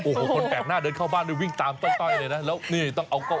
โอ้โหคนแปลกหน้าเดินเข้าบ้านแล้ววิ่งตามต้อยเลยนะ